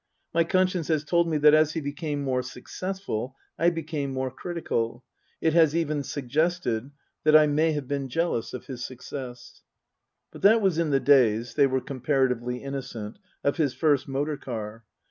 My conscience has told me that as he became more successful I became more critical ; it has even suggested that I may have been jealous of his success. But that was in the days (they were comparatively innocent) of his first motor car.